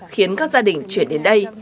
khiến các gia đình chuyển đến đây